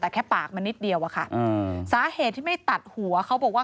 แต่แค่ปากมันนิดเดียวอะค่ะสาเหตุที่ไม่ตัดหัวเขาบอกว่า